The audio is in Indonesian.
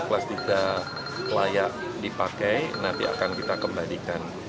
rawat inap plus tiga layak dipakai nanti akan kita kembalikan